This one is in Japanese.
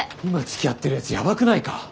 今つきあってる奴ヤバくないか？